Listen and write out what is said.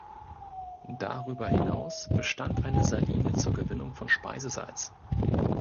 Darüber hinaus bestand eine Saline zur Gewinnung von Speisesalz.